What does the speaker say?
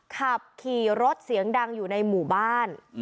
ขับขี่รถเสียงดังอยู่ในหมู่บ้าน